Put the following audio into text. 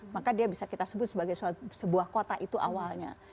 maka dia bisa kita sebut sebagai sebuah kota itu awalnya